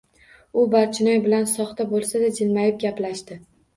U Barchinoy bilan soxta bo‘lsa-da, jilmayib gaplashdi.